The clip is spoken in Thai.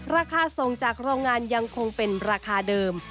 ราคาส่งจากโรงงานยังคงเป็นราคาเดิม